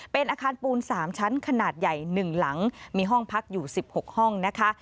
เป็นอาคารปูน๓ชั้นขนาดใหญ่๑หลังมีห้องพักอยู่๑๖ห้องนะคะ